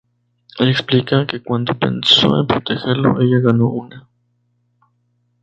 Ella explica que cuando pensó en protegerlo, ella ganó una.